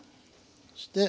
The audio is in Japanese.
そして。